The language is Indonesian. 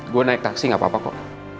gue naik taksi gak apa apa kok